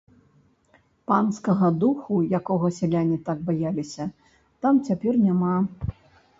Панскага духу, якога сяляне так баяліся, там цяпер няма.